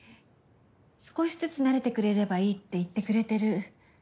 少しずつ慣れてくれればいいって言ってくれてる。